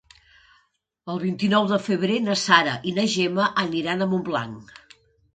El vint-i-nou de febrer na Sara i na Gemma aniran a Montblanc.